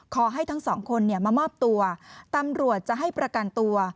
ขอให้ทั้งสองคนมามอบตัวตำรวจจะให้ประกันตัว